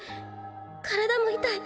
体も痛い。